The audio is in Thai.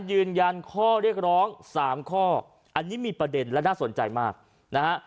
ยืนยันข้อเรียกร้องสามข้ออันนี้มีประเด็นและน่าสนใจมากนะฮะ